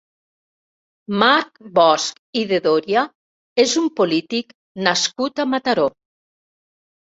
Marc Bosch i de Doria és un polític nascut a Mataró.